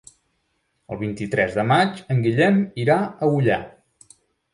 El vint-i-tres de maig en Guillem irà a Ullà.